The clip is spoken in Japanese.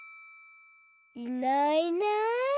いないいない。